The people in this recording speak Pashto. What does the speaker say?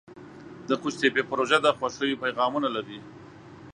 د قوشتېپې پروژه د خوښیو پیغامونه لري.